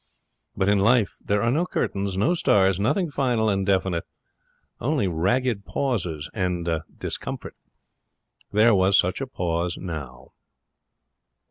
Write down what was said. But in life there are no curtains, no stars, nothing final and definite only ragged pauses and discomfort. There was such a pause now.